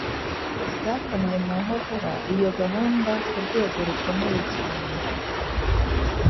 zakomye mu nkokora iyo gahunda ku rwego rukomeye cyane.